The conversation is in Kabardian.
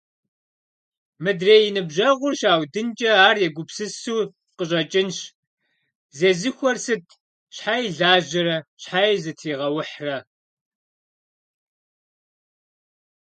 Мыдрей и ныбжьэгъур щаудынкӏэ, ар егупсысу къыщӏэкӏынщ: «Зезыхуэр сыт… Щхьэи лажьэрэ, щхьэи зытригъэухьрэ!».